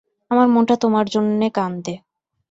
আমার মনটা তোমার জন্যে কান্দে।